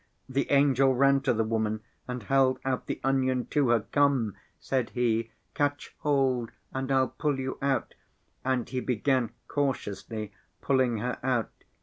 The angel ran to the woman and held out the onion to her. 'Come,' said he, 'catch hold and I'll pull you out.' And he began cautiously pulling her out.